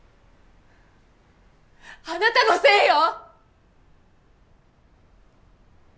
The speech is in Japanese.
あなたのせいよ！